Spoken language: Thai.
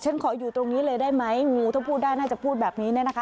ขออยู่ตรงนี้เลยได้ไหมงูถ้าพูดได้น่าจะพูดแบบนี้เนี่ยนะคะ